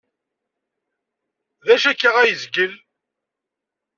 D acu akka ay yezgel?